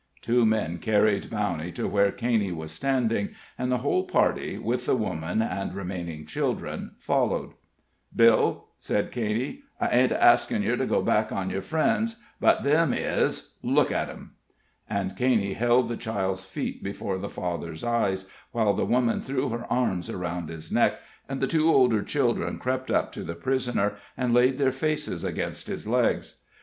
Two men carried Bowney to where Caney was standing, and the whole party, with the woman and remaining children, followed. "Bill," said Caney, "I ain't a askin' yer to go back on yer friends, but them is look at 'em." And Caney held the child's feet before the father's eyes, while the woman threw her arms around his neck, and the two older children crept up to the prisoner, and laid their faces against his legs.